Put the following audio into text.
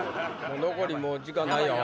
残りもう時間ないよ。